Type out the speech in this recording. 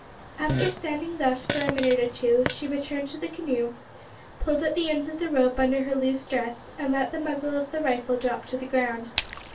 After standing thus for a minute or two she returned to the canoe, pulled at the ends of the rope under her loose dress, and let the muzzle of the rifle drop to the ground.